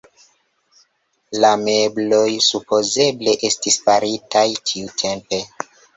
La mebloj supozeble estis faritaj tiutempe.